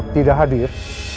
tugap tidak hadir